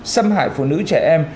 xâm hại phụ nữ trẻ em